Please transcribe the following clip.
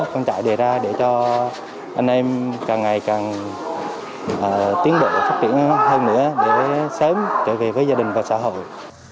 phong trào đề ra để cho anh em càng ngày càng tiến bộ phát triển hơn nữa để sớm trở về với gia đình và xã hội